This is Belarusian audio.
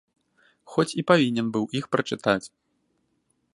Хоць і павінен быў іх прачытаць.